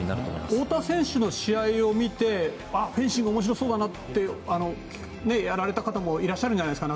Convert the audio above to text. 太田選手の試合を見てフェンシング面白そうだなと思ってやられた方もいらっしゃるんじゃないですか？